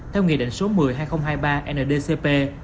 theo nghị định số một mươi hai nghìn hai mươi ba ndcp